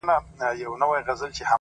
• زموږ پر مځکه په هوا کي دښمنان دي,